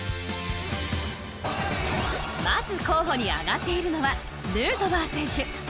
まず候補に挙がっているのはヌートバー選手。